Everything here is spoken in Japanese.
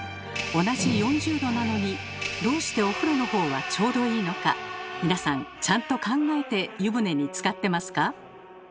同じ４０℃なのにどうしてお風呂のほうはちょうどいいのか皆さんちゃんと考えて湯船につかってますか？